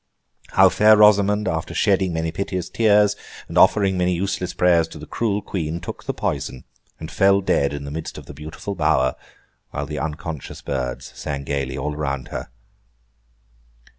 How Fair Rosamond, after shedding many piteous tears and offering many useless prayers to the cruel Queen, took the poison, and fell dead in the midst of the beautiful bower, while the unconscious birds sang gaily all around her.